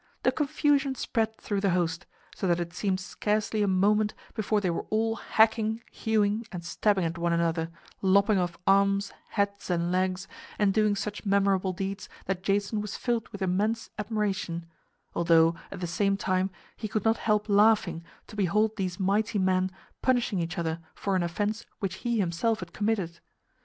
The confusion spread through the host, so that it seemed scarcely a moment before they were all hacking, hewing and stabbing at one another, lopping off arms, heads and legs and doing such memorable deeds that Jason was filled with immense admiration; although, at the same time, he could not help laughing to behold these mighty men punishing each other for an offense which he himself had committed.